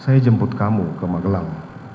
saya jemput kamu ke magelang